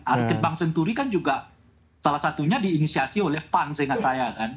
angket bang senturi kan juga salah satunya diinisiasi oleh pan seingat saya